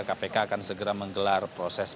kpk akan segera menggelar proses